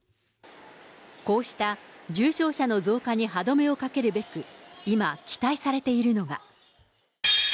こうした重症者の増加に歯止めをかけるべく、今、期待されているのが。